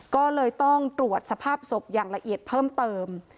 ก็เลยต้องตรวจสภาพศพอย่างละเอียดเพิ่มเติม